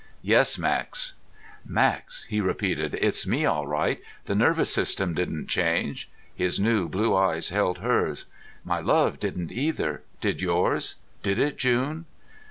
"Yes, Max." "Max," he repeated. "It's me, all right. The nervous system didn't change." His new blue eyes held hers. "My love didn't, either. Did yours? Did it, June?"